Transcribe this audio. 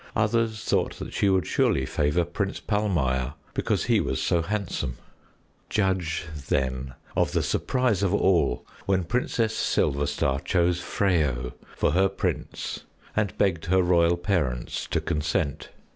Others thought that she would surely favor Prince Palmire, because he was so handsome. Judge then of the surprise of all when Princess Silverstar chose Freyo for her prince and begged her royal parents to consent.